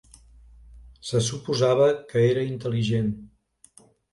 Se suposava que era intel·ligent.